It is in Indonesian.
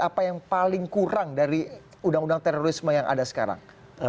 apa yang paling kurang dari undang undang terorisme yang ada sekarang